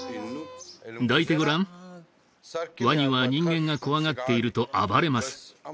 抱いてごらんワニは人間が怖がっていると暴れます